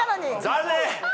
残念！